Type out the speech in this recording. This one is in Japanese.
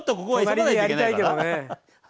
隣でやりたいけどね。